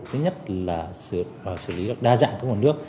thứ nhất là sử lý đa dạng thông hồn nước